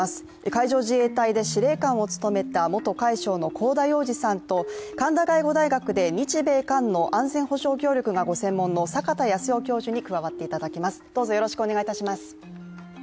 海上自衛隊で司令官を務めた元海将の香田洋二さんと、神田外語大学で日米韓の安全保障がご専門の阪田恭代教授に加わっていただきます。